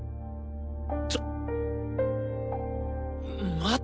ちょっ待て待て！